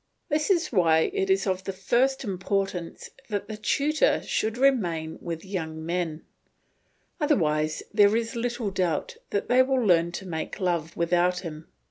This is why it is of the first importance that the tutor should remain with young men; otherwise there is little doubt they will learn to make love without him.